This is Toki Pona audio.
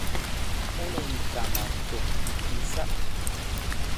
ona li kama toki insa.